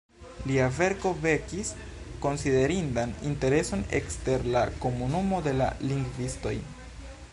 Lia verko vekis konsiderindan intereson ekster la komunumo de la lingvistoj.